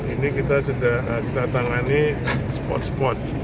ini kita sudah kita tangani spot spot